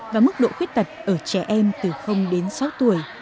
và mức độ khuyết tật ở trẻ em từ đến sáu tuổi